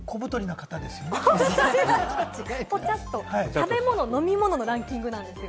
食べ物・飲み物のランキングです。